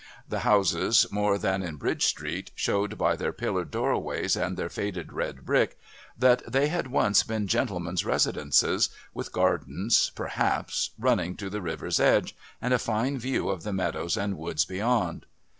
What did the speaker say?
The houses, more than in Bridge Street, showed by their pillared doorways and their faded red brick that they had once been gentlemen's residences, with gardens, perhaps, running to the river's edge and a fine view of the meadows and woods beyond.